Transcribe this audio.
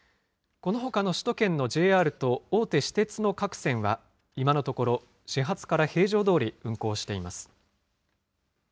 このほかの首都圏のＪＲと大手私鉄の各線は、今のところ、始発から平常どおり運行しています。